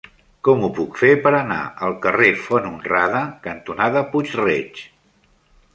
Com ho puc fer per anar al carrer Font Honrada cantonada Puig-reig?